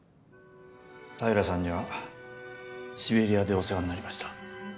平良さんにはシベリアでお世話になりました。